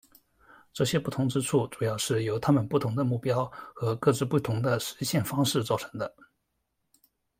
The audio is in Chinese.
这些不同之处主要是由他们不同的目标和各自不同的实现方式造成的。